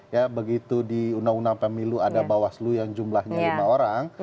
ya begitu di undang undang pemilu ada bawaslu yang jumlahnya lima orang